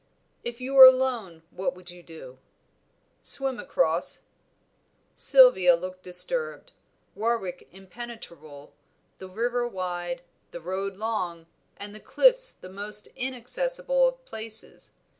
"If you were alone what would you do?" "Swim across." Sylvia looked disturbed, Warwick impenetrable, the river wide, the road long, and the cliffs the most inaccessible of places.